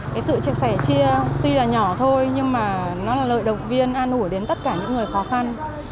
cái sự chia sẻ chia tuy là nhỏ thôi nhưng mà nó là lợi động viên an ủi đến tất cả những người khó khăn